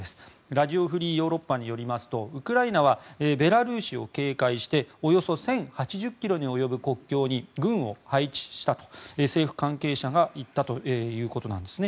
ラジオ・フリー・ヨーロッパによりますと、ウクライナはベラルーシを警戒しておよそ１０８０ｋｍに及ぶ国境に軍を配置したと政府関係者が言ったということなんです。